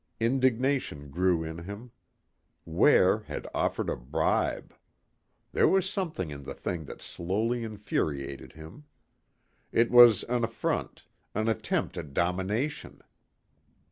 Indignation grew in him. Ware had offered a bribe. There was something in the thing that slowly infuriated him. It was an affront, an attempt at domination.